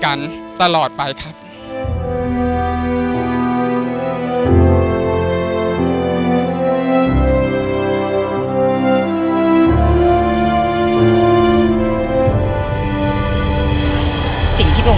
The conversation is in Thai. ก็ต้องยอมรับว่ามันอัดอั้นตันใจและมันกลั้นไว้ไม่อยู่จริง